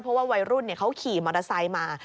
เพราะว่าวัยรุ่นเขาขี่มอเตอร์ไซค์มา